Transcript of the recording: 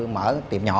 mở tiệm nhỏ